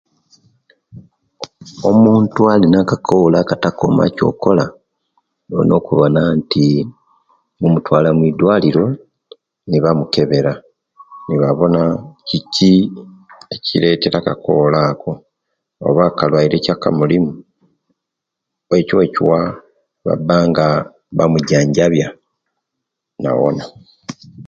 Omuntu alina akakowolo etikakoma ekyokola olina okubona nti mumutwala mudwaliro nibamukebera nibawona kiki ekireta akakowolo ako oba kaluwaire ki akamulimi ekyo ewekiwa babanga bamwijanjaba nawona